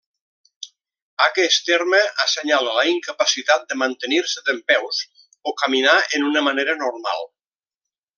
Aquest terme assenyala la incapacitat de mantenir-se dempeus o caminar en una manera normal.